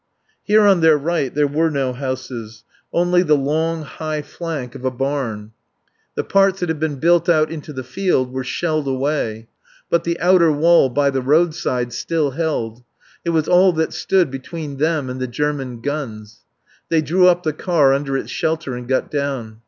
Here on their right there were no houses, only the long, high flank of a barn. The parts that had been built out into the field were shelled away, but the outer wall by the roadside still held. It was all that stood between them and the German guns. They drew up the car under its shelter and got down.